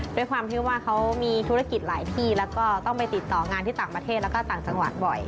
ด้วยความที่ว่าเขามีธุรกิจหลายที่แล้วก็ต้องไปติดต่องานที่ต่างประเทศแล้วก็ต่างจังหวัดบ่อย